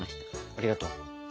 ありがとう。